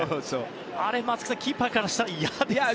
あれ、松木さんキーパーからしたら嫌ですよね。